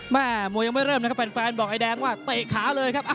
แม่มวยยังไม่เริ่มนะครับแฟนบอกไอ้แดงว่าเตะขาเลยครับ